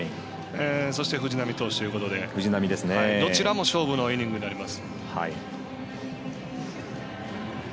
そして藤浪投手ということでどちらも勝負のイニングになります。